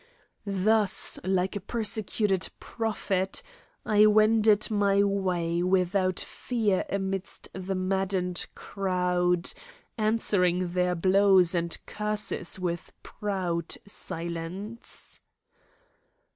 Thus, like a persecuted prophet, I wended my way without fear amidst the maddened crowd, answering their blows and curses with proud silence.